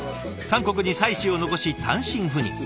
韓国に妻子を残し単身赴任。